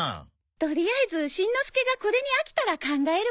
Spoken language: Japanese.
とりあえずしんのすけがこれに飽きたら考えるわ。